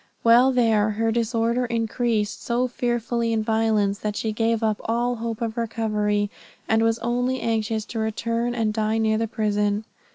While there, her disorder increased so fearfully in violence, that she gave up all hope of recovery, and was only anxious to return and die near the prison.